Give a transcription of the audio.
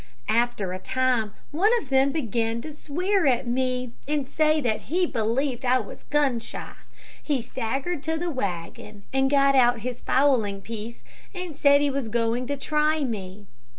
"After a time one of them began to swear at me, and say that he believed I was gun shy. He staggered to the wagon and got out his fowling piece, and said he was going to try me.